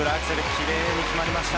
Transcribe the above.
きれいに決まりました。